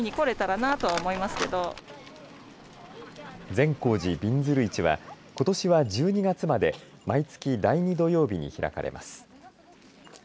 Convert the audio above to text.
善光寺びんずる市はことしは１２月まで毎月第２土曜日に開かれます。